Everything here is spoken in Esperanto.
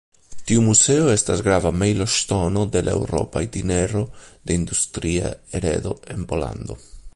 Tiu muzeo estas grava "mejloŝtono" de la Eŭropa Itinero de Industria Heredo en Pollando.